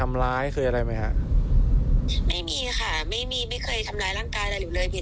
ไม่มีค่ะไม่มีไม่เคยทำลายร่างกายอะไรหรืออะไร